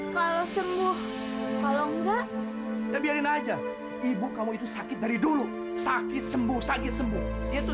kau sembuh kalau enggak ya biarin aja ibu kamu itu sakit dari dulu sakit sembuh sakit sembuh itu